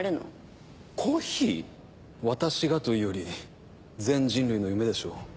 私がというより全人類の夢でしょう。